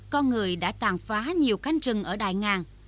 con người đã tàn phá nhiều cánh rừng ở đại ngàn